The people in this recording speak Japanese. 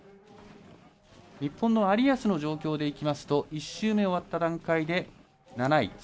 日本の有安の状況でいきますと１周目終わった段階で７位。